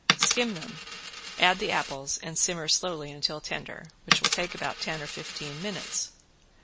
Skim them, add the apples and simmer slowly until tender; which will take about ten or fifteen minutes.